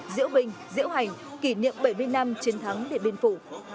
diễu binh diễu hành kỷ niệm bảy mươi năm chiến thắng điện biên phủ